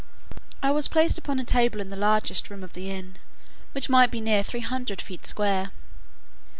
I was placed upon a table in the largest room of the inn, which might be near three hundred feet square.